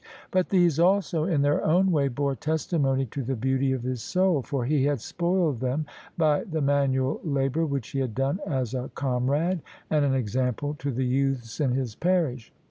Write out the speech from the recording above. But these also in their own way bore testimony to the beauty of his soul; for he had spoiled them by the manual labour which he had done as a comrade and an example to the youths in his parish.